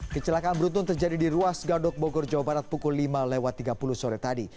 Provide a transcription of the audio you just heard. kecelakaan beruntun terjadi di ruas gadok bogor jawa barat pukul lima lewat tiga puluh sore tadi